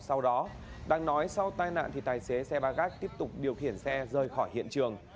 sau đó đang nói sau tai nạn thì tài xế xe ba gác tiếp tục điều khiển xe rời khỏi hiện trường